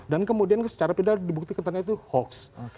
dan kemudian secara beda dibuktikan tadi itu hoax